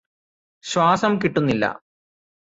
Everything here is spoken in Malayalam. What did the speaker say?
ശ്വാസം കിട്ടുന്നില്ല